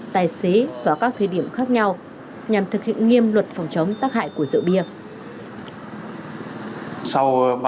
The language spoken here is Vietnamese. tài xế vào các thời điểm khác nhau nhằm thực hiện nghiêm luật phòng chống tác hại của rượu bia